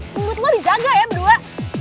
menurut lo dijaga ya berdua